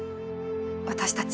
私たち。